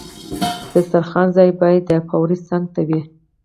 د دسترخوان ځای باید د فوارې څنګ ته وي.